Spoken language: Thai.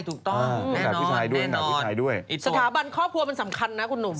สถาบันครอบครัวมันสำคัญนะคุณหนุ่ม